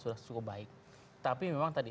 sudah cukup baik tapi memang tadi